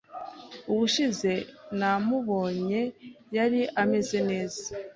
Ubushize namubonye, yari ameze neza.